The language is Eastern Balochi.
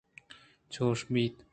چوش بیت